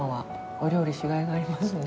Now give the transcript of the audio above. お料理しがいがありますね。